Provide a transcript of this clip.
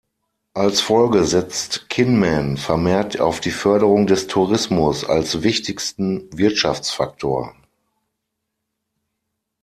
Als Folge setzt Kinmen vermehrt auf die Förderung des Tourismus als wichtigsten Wirtschaftsfaktor.